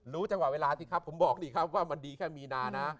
จังหวะเวลาสิครับผมบอกนี่ครับว่ามันดีแค่มีนานะ